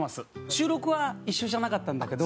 収録は一緒じゃなかったんだけど。